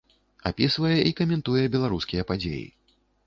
Апісвае і каментуе беларускія падзеі.